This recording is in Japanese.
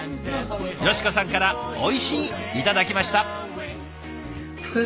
佳香さんから「おいしい」頂きました。